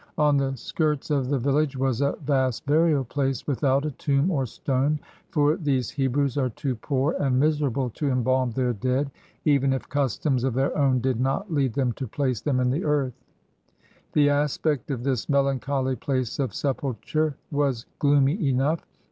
On the skirts of the village was a vast burial place, without a tomb or stone; for these Hebrews are too poor and miserable to embalm their dead, even if customs of their own did not lead them to place them in the earth. The aspect of this melancholy place of sepulture was gloomy enough.